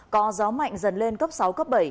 có gió mạnh dần lên cấp sáu cấp bảy